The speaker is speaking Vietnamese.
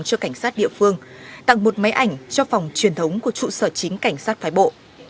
cho cảnh sát địa phương tặng một máy ảnh cho phòng truyền thống của trụ sở chính cảnh sát phái bộ